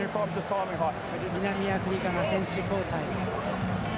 南アフリカが選手交代。